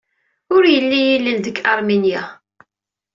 Ur yelli yilel deg Aṛminya.